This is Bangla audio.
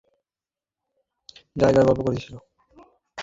আর একদিন সান্যাল মশায় একটা কোন জায়গার গল্প করিতেছিলেন।